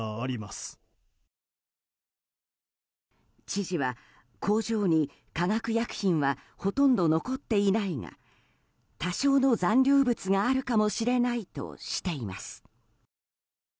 知事は、工場に化学薬品はほとんど残っていないが多少の残留物があるかもしれないとしています。